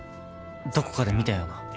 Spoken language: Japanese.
どこかで見たような